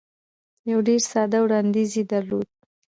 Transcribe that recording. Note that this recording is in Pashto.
یو ډېر ساده وړاندیز یې درلود.